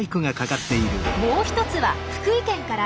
もう一つは福井県から。